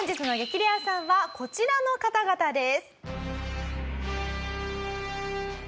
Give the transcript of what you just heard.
レアさんはこちらの方々です。